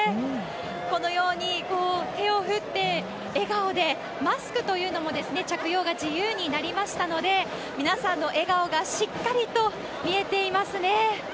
このように、手を振って、笑顔でマスクというのも着用が自由になりましたので、皆さんの笑顔がしっかりと見えていますね。